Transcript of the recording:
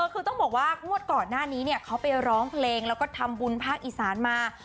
คือต้องบอกว่างวดก่อนหน้านี้เขาไปร้องเพลงแล้วก็ทำบุญภาคอีสานมา